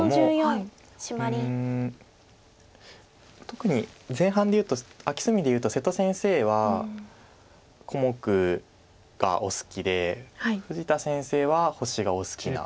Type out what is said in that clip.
特に前半でいうとアキ隅でいうと瀬戸先生は小目がお好きで富士田先生は星がお好きな。